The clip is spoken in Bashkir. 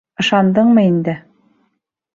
Ышандыңмы инде?